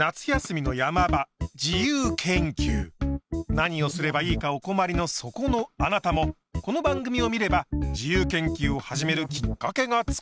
何をすればいいかお困りのそこのあなたもこの番組を見れば自由研究を始めるきっかけがつかめるはず！